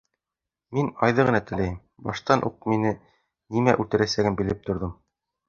Мин Айҙы ғына теләйем, Баштан уҡ мине нимә үлтерәсәген белеп торҙом.